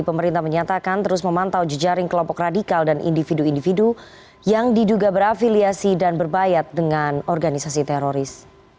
pemerintah menyatakan terus memantau jejaring kelompok radikal dan individu individu yang diduga berafiliasi dan berbayat dengan organisasi teroris